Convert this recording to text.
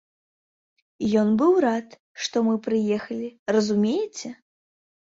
Ён быў рад, што мы прыехалі, разумееце.